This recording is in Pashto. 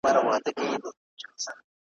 د غم په شپه یې خدای پیدا کړی ,